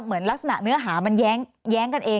เหมือนลักษณะเนื้อหามันแย้งกันเอง